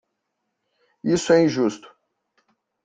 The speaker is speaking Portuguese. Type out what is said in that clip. Isso é injusto.